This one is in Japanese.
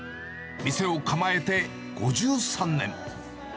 店を構えて５３年。